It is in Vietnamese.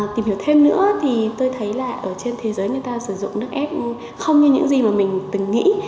tìm hiểu thêm nữa thì tôi thấy là ở trên thế giới người ta sử dụng nước ép không như những gì mà mình từng nghĩ